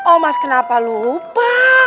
oh mas kenapa lupa